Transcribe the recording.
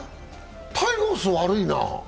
タイガースが悪いな。